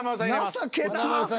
情けなっ。